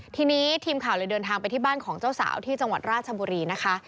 ทีนี้ทีมข่าวเลยเดินทางไปที่บ้านของเจ้าสาวที่จังหวัดราชบุรีนะคะ